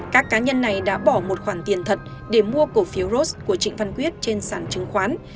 các cá nhân này đã bỏ một khoản tiền thật để mua cổ phiếu ros của trịnh văn quyết trên sản chứng khoán